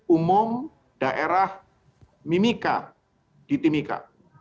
umum daerah mimika di timika